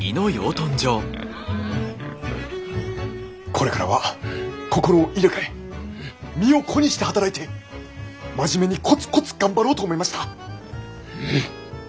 これからは心を入れ替え身を粉にして働いて真面目にコツコツ頑張ろうと思いました。